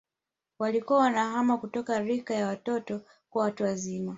Walikuwa wanahama kutoka rika ya watoto kuwa watu wazima